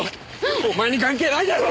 お前に関係ないだろ！